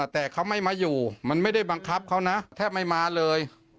แต่เขาไม่มาอยู่มันไม่ได้บังคับเขานะแทบไม่มาเลย